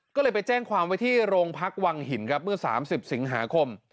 ก็เลยไปแจ้งความไว้ที่โรงพักวังหินครับเมื่อ๓๐สิงหาคม